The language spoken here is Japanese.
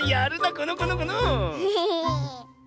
このこのこの！へへ！